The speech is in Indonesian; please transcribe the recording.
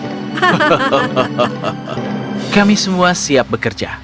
pertama kami kembali ke kapal kami yang karam